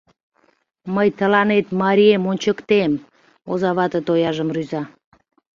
— Мый тыланет марием ончыктем!.. — озавате тояжым рӱза.